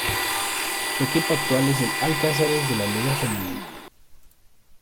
Su equipo actual es el Al-Qázeres de la Liga Femenina.